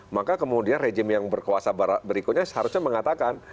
maka kemudian rejim yang berkuasa berikutnya seharusnya mengatakan